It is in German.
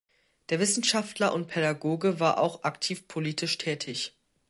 Der Wissenschaftler und Pädagoge war auch aktiv politisch tätig.